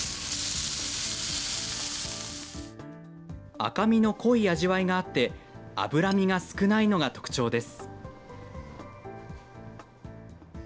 赤身の濃い味わいがあって、脂身が少ないのが特長です。